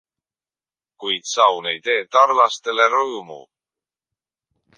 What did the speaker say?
Kuid saun ei tee tarlastele rõõmu.